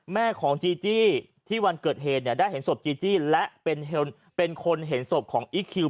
แม่ของจีจี้ที่วันเกิดเหตุเนี่ยได้เห็นศพจีจี้และเป็นคนเห็นศพของอีคคิว